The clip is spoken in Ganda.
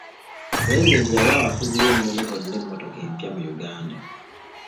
Pulezidenti yawa abafuzi b'ennono bonna emmotoka empya mu Uganda.